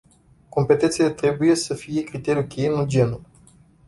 Competențele trebuie să fie criteriul-cheie, nu genul.